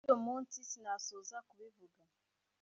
Iby’uwo munsi sinasoza kubivuga